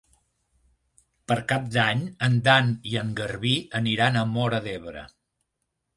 Per Cap d'Any en Dan i en Garbí aniran a Móra d'Ebre.